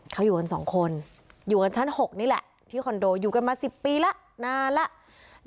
เขาอยู่กัน๒คนอยู่กันชั้น๖นี่แหละที่คอนโดอยู่กันมา๑๐ปีแล้วนานแล้ว